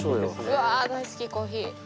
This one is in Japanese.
うわ大好きコーヒー。